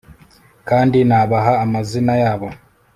Kandi nabaha amazina yabo